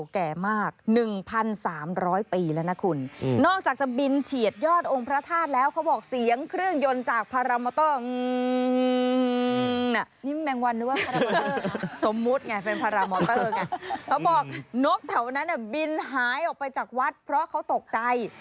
เขาบอกนกแถวนั้นบินหายออกไปจากวัดเพราะเขาตกใจ